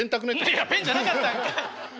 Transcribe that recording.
ペンじゃなかったんかい！